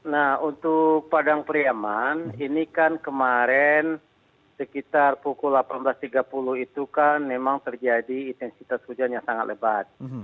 nah untuk padang priaman ini kan kemarin sekitar pukul delapan belas tiga puluh itu kan memang terjadi intensitas hujan yang sangat lebat